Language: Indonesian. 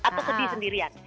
atau sedih sendirian